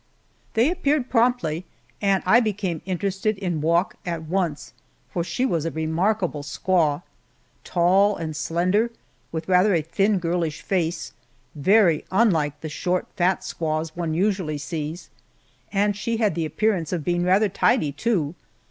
They appeared promptly, and I became interested in Wauk at once, for she was a remarkable squaw. Tall and slender, with rather a thin, girlish face, very unlike the short, fat squaws one usually sees, and she had the appearance of being rather tidy, too.